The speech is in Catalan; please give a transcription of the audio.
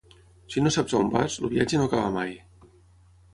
Si no saps on vas, el viatge no acaba mai.